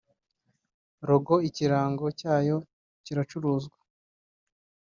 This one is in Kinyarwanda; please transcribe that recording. Logo (ikirango) cyayo kiracuruzwa